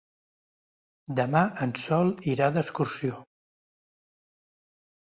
Demà en Sol irà d'excursió.